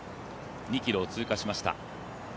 ２ｋｍを通過しました。